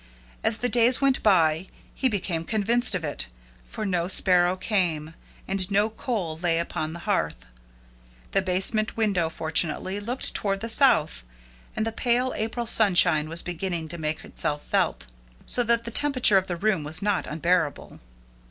As the days went by, he became convinced of it, for no Sparrow came, and no coal lay upon the hearth. The basement window fortunately looked toward the south, and the pale April sunshine was beginning to make itself felt, so that the temperature of the room was not unbearable.